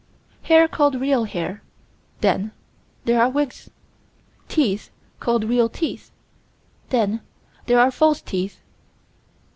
Hair called real hair then there are wigs. Teeth called real teeth then there are false teeth.